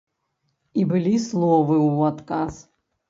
І былі словы ў адказ.